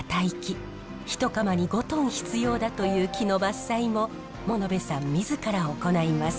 一窯に５トン必要だという木の伐採も物部さん自ら行います。